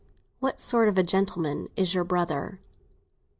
What sort of a gentleman is your brother?"